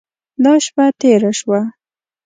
دا شپه تېره شوه.